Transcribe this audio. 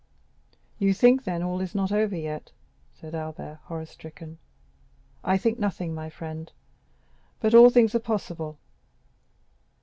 40179m "You think, then, all is not over yet?" said Albert, horror stricken. "I think nothing, my friend; but all things are possible.